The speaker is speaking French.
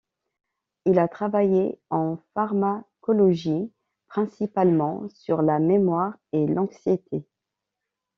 Il a travaillé, en pharmacologie, principalement sur la mémoire et l'anxiété.